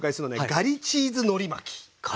ガリチーズのり巻き！